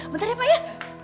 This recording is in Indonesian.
bentar ya pak ya